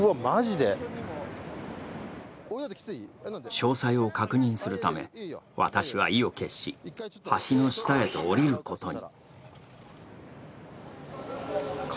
詳細を確認するため、私は意を決し、橋の下へとおりることに。